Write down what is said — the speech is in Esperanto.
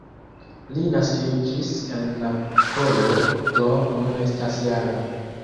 Li naskiĝis en Napolo, do nun estas -jara.